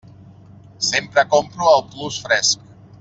Sempre compro al Plus Fresc.